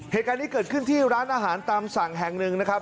เหตุการณ์นี้เกิดขึ้นที่ร้านอาหารตามสั่งแห่งหนึ่งนะครับ